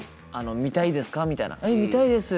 「えっ見たいです」